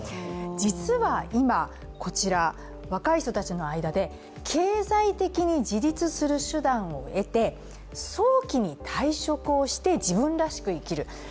実は今、こちら、若い人たちの間で経済的に自立する手段を得て、早期に退職をして自分らしく生きる。